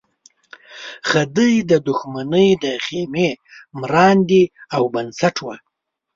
خدۍ د دښمنۍ د خېمې مرانده او بنسټ وه.